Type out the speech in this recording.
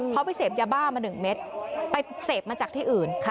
เขาไปเสพยาบ้ามา๑เม็ดไปเสพมาจากที่อื่น